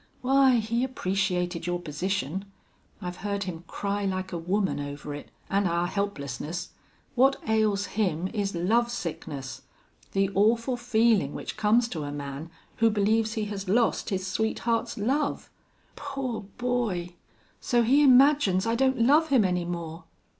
Why, he appreciated your position. I've heard him cry like a woman over it an' our helplessness. What ails him is lovesickness, the awful feelin' which comes to a man who believes he has lost his sweetheart's love." "Poor boy! So he imagines I don't love him any more?